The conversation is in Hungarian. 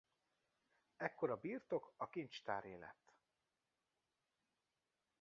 Ekkor a birtok a kincstáré lett.